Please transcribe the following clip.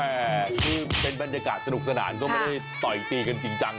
อ้าวคือเป็นบรรยากาศสนุกสนานไม่ได้ต่อยกินกันจริงจังนะ